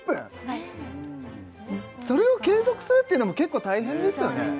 はいそれを継続するっていうのも結構大変ですよね